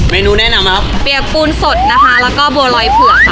แนะนำครับเปียกปูนสดนะคะแล้วก็บัวลอยเผือกค่ะ